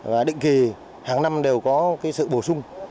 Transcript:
và định kỳ hàng năm đều có sự bổ sung